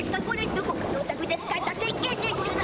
どこかのおたくで使ったせっけんでしゅな。